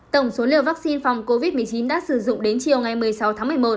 tổng số liều vaccine phòng covid một mươi chín đã sử dụng đến chiều ngày một mươi sáu tháng một mươi một